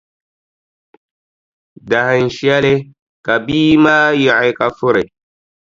Dahinshɛli, ka bia maa yiɣi ka furi.